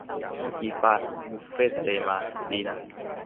เมื่อกี้ฟาดบุฟเฟต์ทะเลมา ดีนะ